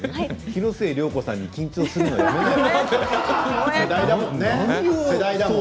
広末涼子さんに緊張するのやめなよ。